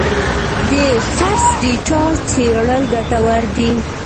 د خرڅ ډیټا څېړل ګټور دي.